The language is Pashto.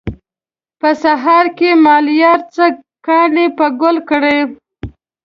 په سهار کې مالیار څه کانې په ګل کړي.